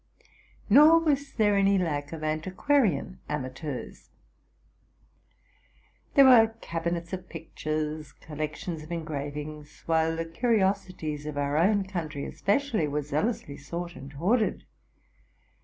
Nor was there any lack of antiquarian amateurs. There were cabinets of pictures, collections of engravings ; while the curiosities of our own country especially were zealously sought and hoarded.